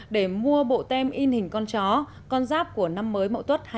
để mua bộ tem in hình con chó con giáp của năm mới mẫu tuất hai nghìn